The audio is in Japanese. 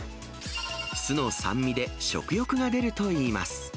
酢の酸味で食欲が出るといいます。